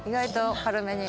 軽めに。